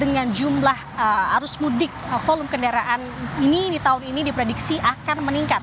dengan jumlah arus mudik volume kendaraan ini di tahun ini diprediksi akan meningkat